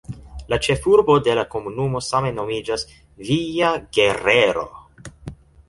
La ĉefurbo de la komunumo same nomiĝas "Villa Guerrero".